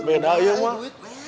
beda ya pak